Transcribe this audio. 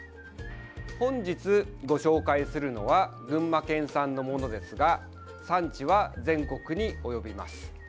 本日、ご紹介するのは群馬県産のものですが産地は全国に及びます。